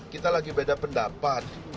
tidak boleh ada pendapat